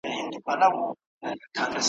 هی توبه چي در ته غل د لاري مل سي`